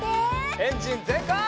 エンジンぜんかい！